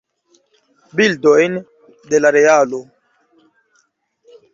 Bildojn de la realo.